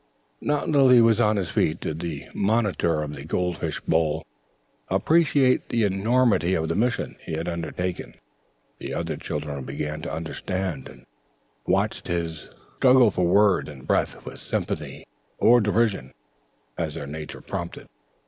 Not until he was on his feet did the Monitor of the Gold Fish Bowl appreciate the enormity of the mission he had undertaken. The other children began to understand, and watched his struggle for words and breath with sympathy or derision, as their natures prompted.